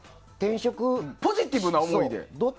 ポジティブな思いで？